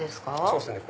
そうですね。